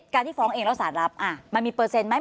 การที่ฟ้องเองแล้วสารรับมันมีเปอร์เซ็นต์ไหม